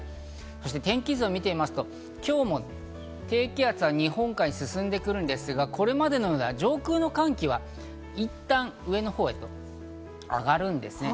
そして天気図を見てみますと、今日も低気圧が日本海に進んでくるんですが、これまでのような上空の寒気はいったん上のほうへと上がるんですね。